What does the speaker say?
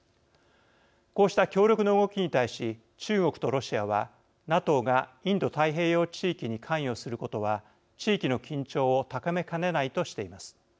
こうした協力の動きに対し中国とロシアはＮＡＴＯがインド太平洋地域に関与することは地域の緊張を高めかねないとしています。